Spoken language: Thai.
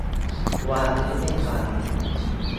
วาฬ ไม่ใช่ปลา